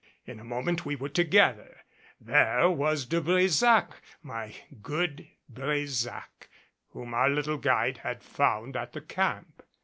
In a moment we were together. There was De Brésac my good Brésac, whom our little guide had found at the camp.